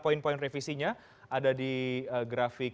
poin poin revisinya ada di grafik